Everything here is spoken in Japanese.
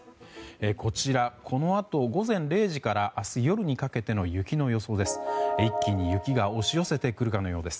こちら、このあと午前０時から明日夜にかけての雪の予想です。